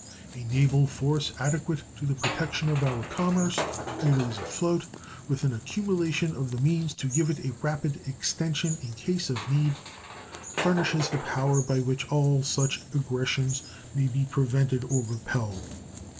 A naval force adequate to the protection of our commerce, always afloat, with an accumulation of the means to give it a rapid extension in case of need, furnishes the power by which all such aggressions may be prevented or repelled.